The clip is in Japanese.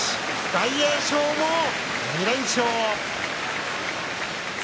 大栄翔も２連勝です。